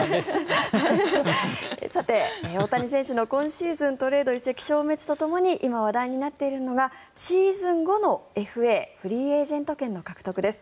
さて、大谷選手の今シーズントレード移籍消滅とともに今話題になっているのがシーズン後のＦＡ・フリーエージェント権の獲得です。